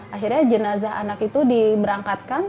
akhirnya jenazah anak itu diberangkatkan